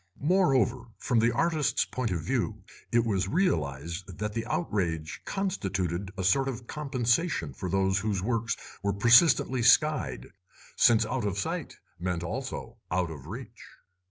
Moreover, from the artists' point of view it was realised that the outrage constituted a sort of compensation for those whose works were persistently 'skied', since out of sight meant also out of reach.